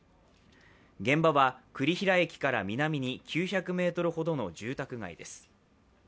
現場は栗平駅から南に９００ｍほどの住宅街です。